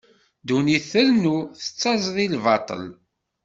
Ddunit trennu, tettaẓ di lbaṭel.